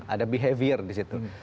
ada behavior disitu